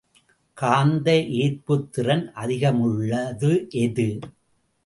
காந்த ஏற்புத்திறன் அதிகமுள்ளது எது?